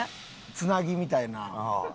つなぎみたいな。